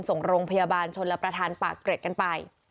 ทางปากเกร็ดกันไป